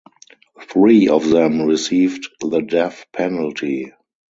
Three of them received the death penalty.